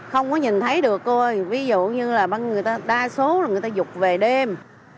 không có nhìn thấy được thôi ví dụ như là đa số là người ta dục về đêm